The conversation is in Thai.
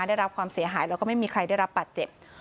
ได้รับความเสียหายแล้วก็ไม่มีใครได้รับบาดเจ็บ